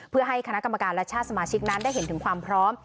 เพื่อให้คณะกรรมการและชาติสมาชิกนั้นได้เห็นถึงความพร้อม